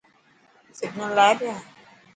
سگنل آئي پيا.